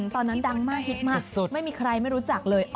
ตอนนั้นดังมากฮิตมากไม่มีใครไม่รู้จักเลย